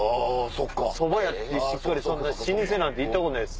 蕎麦屋って老舗なんて行ったことないです。